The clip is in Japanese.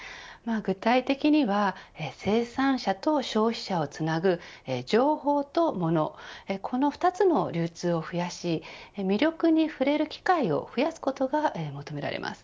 具体的には生産者と消費者をつなぐ情報と物、この２つの流通を増やし魅力に触れる機会を増やすことが求められます。